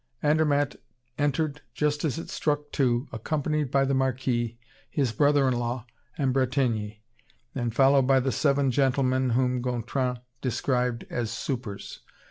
Andermatt entered just as it struck two, accompanied by the Marquis, his brother in law, and Bretigny, and followed by the seven gentlemen, whom Gontran described as "supers."